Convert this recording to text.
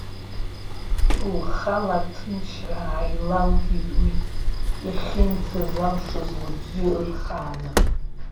Лхала аҭынчра ааилалгеит уи, иахьынӡазалшоз лыбжьы ырхааны.